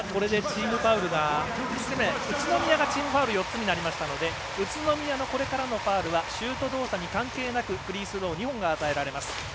宇都宮がチームファウル４つ目になりましたので宇都宮のこれからのファウルはシュート動作に関係なくフリースロー２本が与えられます。